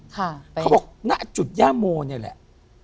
เขาบอกณจุดย่าโมเนี่ยแหละ